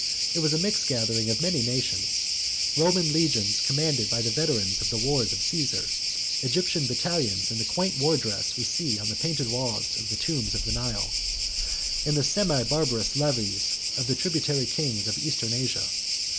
It was a mixed gathering of many nations Roman legions commanded by veterans of the wars of Cæsar; Egyptian battalions in the quaint war dress we see on the painted walls of tombs by the Nile, and the semi barbarous levies of the tributary kings of Eastern Asia.